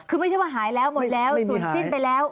คือไม่ใช่ว่าหายแล้วหมดแล้วศูนย์สิ้นไปแล้ว